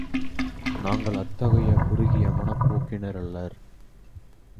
நாங்கள் அத்தகைய குறுகிய மனப்போக்கினரல்லர்.